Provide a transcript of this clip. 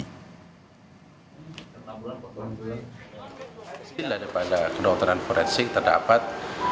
hasil daripada kedokteran forensik terdapat